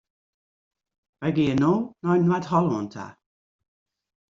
Wy gean no nei Noard-Hollân ta.